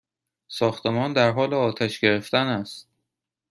ساختمان در حال آتش گرفتن است!